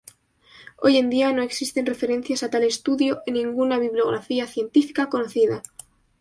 Hoy en día, no existen referencias a tal estudio en ninguna bibliografía científica conocida.